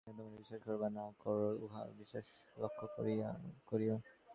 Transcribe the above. ইহা তোমরা বিশ্বাস কর বা না কর, উহা বিশেষভাবে লক্ষ্য করিও।